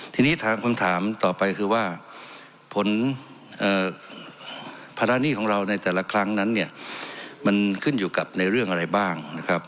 ทีนี้ถามคำถามต่อไปคือว่าผลภาระหนี้ของเราในแต่ละครั้งนั้นเนี่ยมันขึ้นอยู่กับในเรื่องอะไรบ้างนะครับ